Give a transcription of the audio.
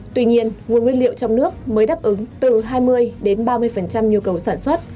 tuy nhiên nguồn nguyên liệu trong nước mới đáp ứng từ hai mươi đến ba mươi nhu cầu sản xuất